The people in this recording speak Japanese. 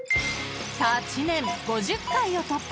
［さあ知念５０回を突破。